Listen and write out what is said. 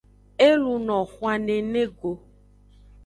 E luno xwan nene go.